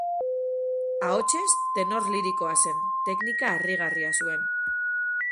Ahotsez tenor lirikoa zen; teknika harrigarria zuen.